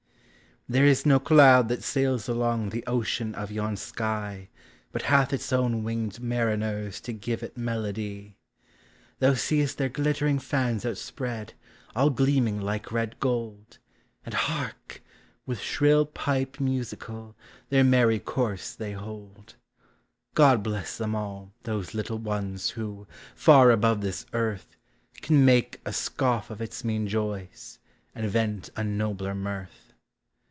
There is no cloud that sails along the ocean of yon But "hath its own winged mariners to give It melody ; V— 7 98 POEMS OF NATURE. Thou seest their glittering fans outspread, all gleaming like red gold; And hark! with shrill pipe musical, their merry course they hold. God bless them all, those little ones, who, far above this earth, Can make a scoff of its mean joys, and vent a nobler mirth.